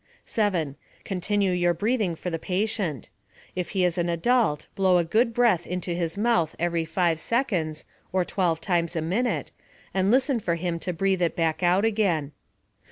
7. Continue your breathing for the patient. If he is an adult, blow a good breath into his mouth every 5 seconds, or 12 times a minute, and listen for him to breathe it back out again.